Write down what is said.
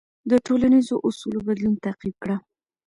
د ټولنیزو اصولو بدلون تعقیب کړه.